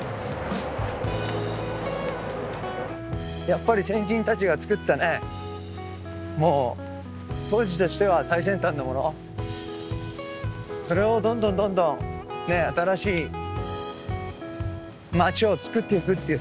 やっぱり先人たちが作ったねもう当時としては最先端のものそれをどんどんどんどんねえ新しい街を作っていくっていうさ